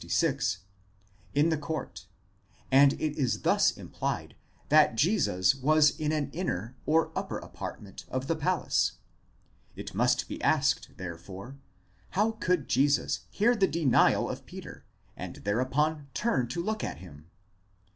66) in the court ἐν τῇ αὐλὴ, and it is thus implied that Jesus was in an inner or upper apartment of the palace: it must be asked, therefore, how could Jesus hear the denial of Peter, and thereupon turn to look at him?